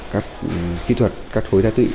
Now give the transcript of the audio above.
các kỹ thuật cắt khối tá tụy